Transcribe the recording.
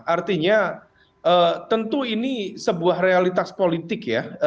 artinya tentu ini sebuah realitas politik ya